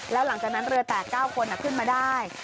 แล้วหลังจากนั้นเรือแตก๙คนขึ้นมาได้